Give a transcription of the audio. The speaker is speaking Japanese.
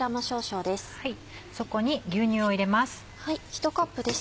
そこに牛乳を入れます。